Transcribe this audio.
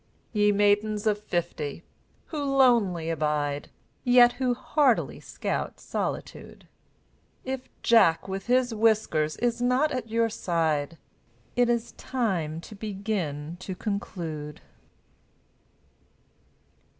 Ye Maidens of Fifty, who lonely abide, Yet who heartily scout solitude, If Jack with his whiskers is not at your side, It is time to begin to conclude.